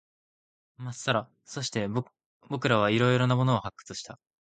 まっさら。そして、僕らは色々なものを発掘した。